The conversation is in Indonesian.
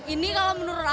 ini kalau menurut aku